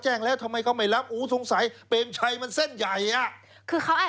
โดนก่อนด่านะว่าหลุดได้ยังไง